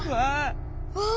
わあ！